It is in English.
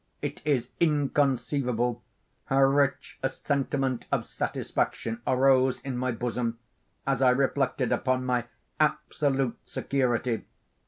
It is inconceivable how rich a sentiment of satisfaction arose in my bosom as I reflected upon my absolute security.